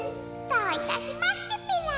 どういたしましてペラ。